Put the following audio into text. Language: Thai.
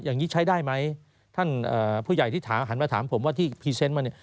อย่างนี้ใช้ได้ไหมท่านผู้ใหญ่ที่ถามหันมาถามผมว่าที่พรีเซนต์มาเนี่ย